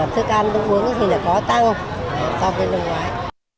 thức ăn thức uống thì có tăng so với lần ngoái